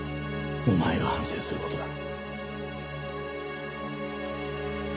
お前が反省する事だ。